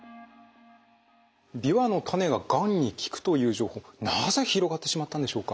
ビワの種ががんに効くという情報なぜ広がってしまったんでしょうか？